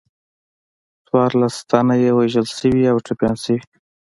څوارلس تنه یې وژل شوي او ټپیان شوي.